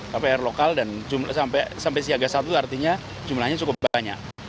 tapi air lokal sampai siaga satu artinya jumlahnya cukup banyak